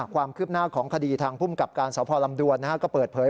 ความคืบหน้าของคดีทางภูมิกับการสพลำดวนก็เปิดเผย